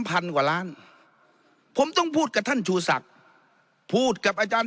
พันกว่าล้านผมต้องพูดกับท่านชูศักดิ์พูดกับอาจารย์